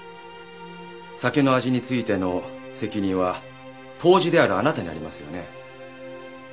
酒の味についての責任は杜氏であるあなたにありますよね。